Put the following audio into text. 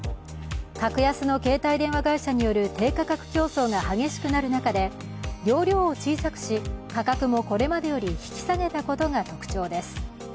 格安の携帯電話会社による低価格競争が激しくなる中で、容量を小さくし、価格もこれまでより引き下げたことが特徴です。